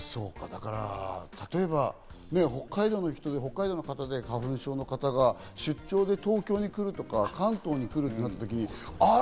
例えば北海道の人で花粉症の方が出張で東京に来るとか、関東に来るとなった時に、あれ？